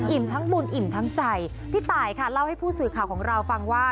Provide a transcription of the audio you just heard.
ทั้งบุญอิ่มทั้งใจพี่ตายค่ะเล่าให้ผู้สื่อข่าวของเราฟังว่า